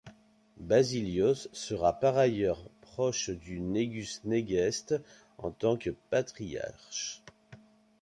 Basilios sera par ailleurs proche du Negusse Negest en tant que patriarche.